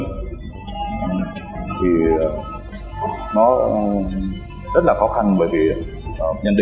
thì nó rất là khó khăn bởi vì nhân định bắt đầu tại hiện trường thì đối tượng nghi vấn có thể là khách bãng lai